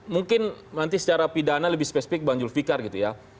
mungkin nanti secara pidana lebih spesifik bang zulfikar gitu ya